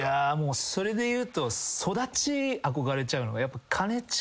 それでいうと育ち憧れちゃうのが。